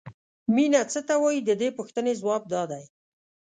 مینه څه ته وایي د دې پوښتنې ځواب دا دی.